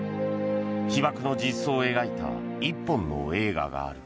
被爆の実相を描いた１本の映画がある。